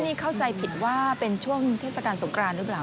นี่เข้าใจผิดว่าเป็นช่วงเทศกาลสงครานหรือเปล่า